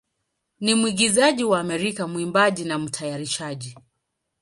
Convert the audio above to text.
ni mwigizaji wa Amerika, mwimbaji, na mtayarishaji.